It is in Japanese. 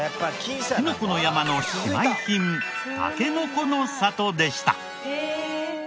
きのこの山の姉妹品たけのこの里でした。